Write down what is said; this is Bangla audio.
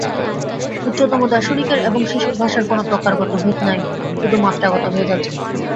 উচ্চতম দার্শনিকের এবং শিশুর ভাষার কোন প্রকারগত ভেদ নাই, শুধু মাত্রাগত ভেদ আছে।